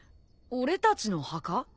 俺たちの墓？